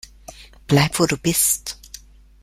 Bleib, wo du bist!